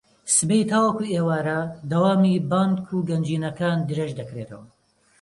سبەی تاوەکو ئێوارە دەوامی بانک و گەنجینەکان درێژدەکرێتەوە